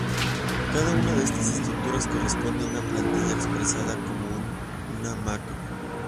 Cada una de estas estructuras corresponde a una plantilla expresada como una macro.